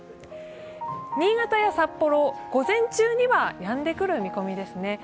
新潟や札幌、午前中にはやんでくる見込みですね。